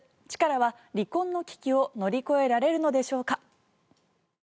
チカラは離婚の危機を乗り越えられるのでしょうか。